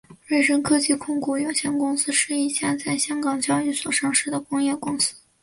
瑞声科技控股有限公司是一家在香港交易所上市的工业公司。